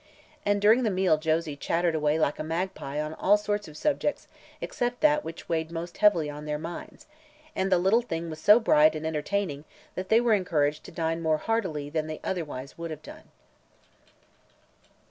And during the meal Josie chattered away like a magpie on all sorts of subjects except that which weighed most heavily on their minds, and the little thing was so bright and entertaining that they were encouraged to dine more heartily than they otherwise would have done.